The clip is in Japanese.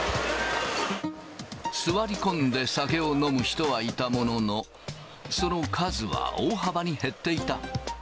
座り込んで酒を飲む人はいたものの、その数は大幅に減っていた。